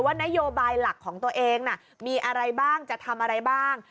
นโยบายหลักของตัวเองมีอะไรบ้างจะทำอะไรบ้าง